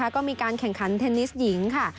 ก็มีการแข่งขันเทนนิสหญิงค่ะ